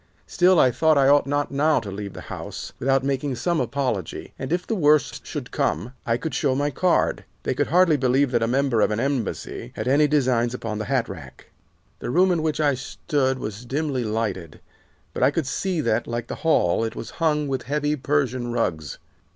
Still, I thought I ought not now to leave the house without making some apology, and, if the worst should come, I could show my card. They could hardly believe that a member of an Embassy had any designs upon the hat rack. "The room in which I stood was dimly lighted, but I could see that, like the hall, it was hung with heavy Persian rugs.